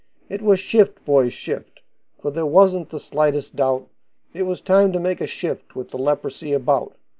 It was shift, boys, shift, for there wasn't the slightest doubt It was time to make a shift with the leprosy about.